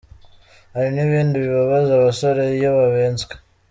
Hari n’ibindi bibabaza abasore iyo babenzwe ….